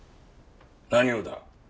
何をだ！